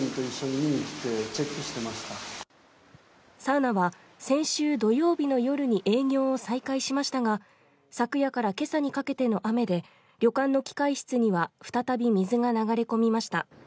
サウナは先週土曜日の夜に営業を再開しましたが、昨夜から今朝にかけての雨で旅館の機械室には再び水が流れ込みました。